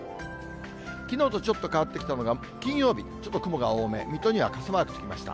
きのうとちょっと変わってきたのが、金曜日、ちょっと雲が多め、水戸には傘マークつきました。